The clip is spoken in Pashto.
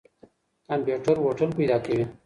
کمپيوټر هوټل پيدا کوي.